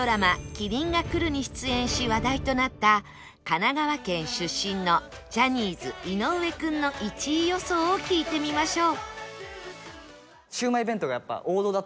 『麒麟がくる』に出演し話題となった神奈川県出身のジャニーズ井上君の１位予想を聞いてみましょう